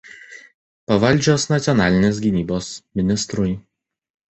Pavaldžios nacionalinės gynybos ministrui.